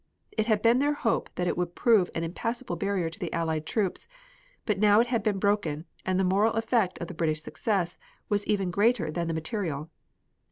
It had been their hope that it would prove an impassable barrier to the Allied troops, but now it had been broken, and the moral effect of the British success was even greater than the material.